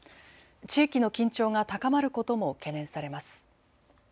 地域の緊張が高まることも懸念されます。